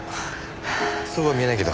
そうは見えないけど。